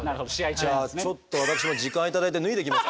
じゃあちょっと私も時間頂いて脱いできますかね。